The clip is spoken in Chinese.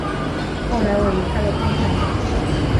后来我离开了共产党。